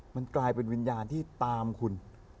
มันกลายเป็นวิญญาณที่ตามคุณ